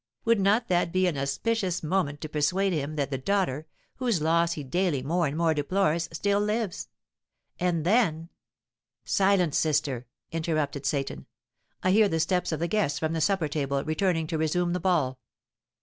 Would not that be an auspicious moment to persuade him that the daughter, whose loss he daily more and more deplores, still lives? And then " "Silence, sister," interrupted Seyton, "I hear the steps of the guests from the supper table, returning to resume the ball.